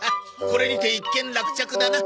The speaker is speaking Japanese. これにて一件落着だな。